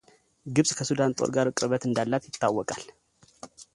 ግብጽ ከሱዳን ጦር ጋር ቅርበት እንዳላት ይታወቃል።